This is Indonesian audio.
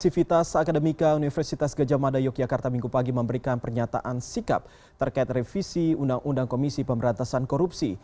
sivitas akademika universitas gejamada yogyakarta minggu pagi memberikan pernyataan sikap terkait revisi undang undang komisi pemberantasan korupsi